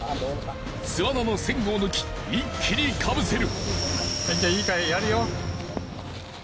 巣穴の栓を抜き一気にかぶせる。